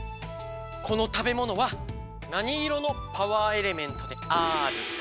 このたべものは何色のパワーエレメントであるか？